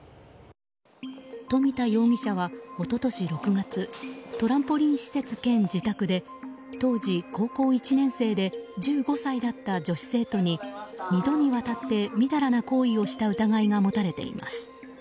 富田容疑者は一昨年６月トランポリン施設兼自宅で当時、高校１年生で１５歳だった女子生徒に２度にわたってみだらな行為をした疑いが持たれています。